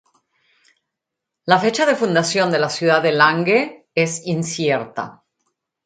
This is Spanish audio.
La fecha de fundación de la ciudad de Langue es incierta.